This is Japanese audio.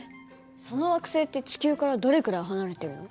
その惑星って地球からどれくらい離れてるの？